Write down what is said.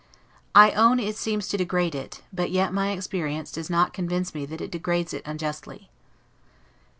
I own, it seems to degrade it; but yet my experience does not convince me that it degrades it unjustly.